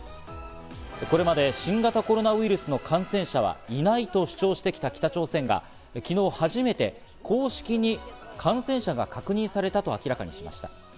これまで新型コロナウイルスの感染者はいないと主張してきた北朝鮮が、昨日初めて公式に感染者が確認されたと明らかにしました。